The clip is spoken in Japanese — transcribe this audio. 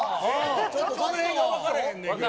ちょっとそのへんが分からへんねんけど。